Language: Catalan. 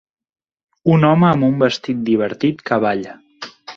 Un home amb un vestit divertit que balla.